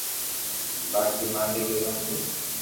باقي مالڪ ري مرزي